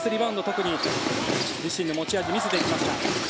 特に自身の持ち味を見せていました。